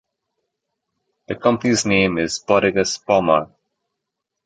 The company's name is Bodegas Pomar.